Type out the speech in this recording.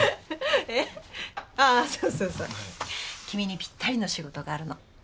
君にぴったりの仕事があるの。